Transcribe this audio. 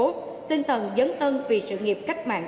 tinh thần dấn tân vì sự nghiệp cách mạng